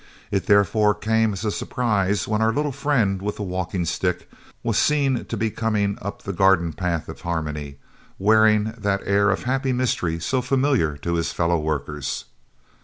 It therefore came as a surprise when our little friend with the walking stick was to be seen coming up the garden path of Harmony, wearing that air of happy mystery so familiar to his fellow workers.